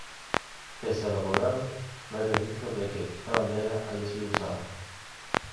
Pese a lo acordado, no hay registros de que esta bandera haya sido usada.